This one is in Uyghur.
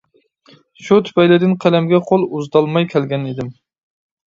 شۇ تۈپەيلىدىن قەلەمگە قول ئۇزىتالماي كەلگەنىدىم.